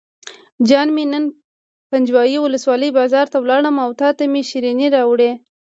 جان مې نن پنجوایي ولسوالۍ بازار ته لاړم او تاته مې شیرینۍ راوړې.